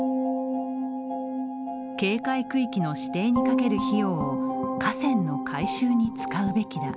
警戒区域の指定にかける費用を河川の改修に使うべきだ。